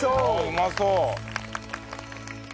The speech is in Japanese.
うまそう！